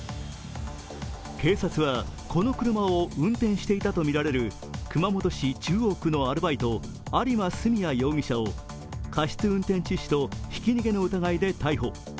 警察は、この車を運転していたとみられる熊本市中央区のアルバイト、有馬純也容疑者を過失運転致死とひき逃げの疑いで逮捕。